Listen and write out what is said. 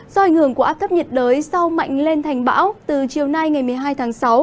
do ảnh hưởng của áp thấp nhiệt đới sau mạnh lên thành bão từ chiều nay ngày một mươi hai tháng sáu